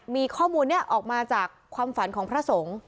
มีข้อมูลนี้ออกมาจากความฝันของพระสงฆ์